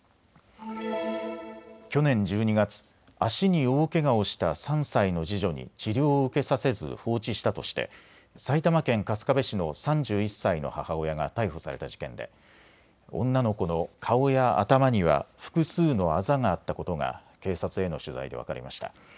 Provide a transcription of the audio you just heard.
去年１２月、足に大けがをした３歳の次女に治療を受けさせず放置したとして埼玉県春日部市の３１歳の母親が逮捕された事件で女の子の顔や頭には複数のあざがあったことが警察への取材で分かりました。